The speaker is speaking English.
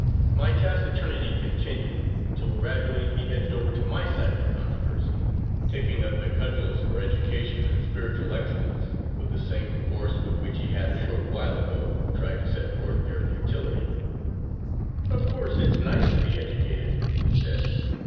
My taciturnity continued, until, gradually, he edged over to my side of the controversy, taking up the cudgels for education and spiritual excellence with the same force with which he had a short while ago tried to set forth their futility "Of course it's nice to be educated," he said.